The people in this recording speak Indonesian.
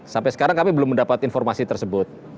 sampai sekarang kami belum mendapat informasi tersebut